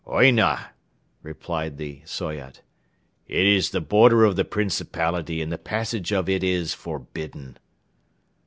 "Oyna," replied the Soyot. "It is the border of the principality and the passage of it is forbidden."